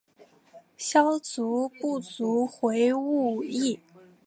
萧族部族回鹘裔。